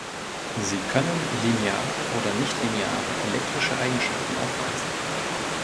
Sie können lineare oder nichtlineare elektrische Eigenschaften aufweisen.